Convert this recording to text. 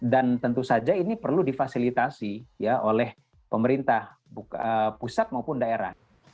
dan tentu saja ini perlu difasilitasi oleh pemerintah pusat maupun daerah